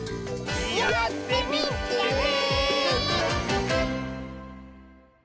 やってみてね！